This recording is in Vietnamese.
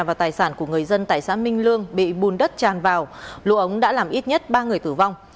và tài sản của người dân tại xã minh lương bị bùn đất tràn vào lũ ống đã làm ít nhất ba người tử vong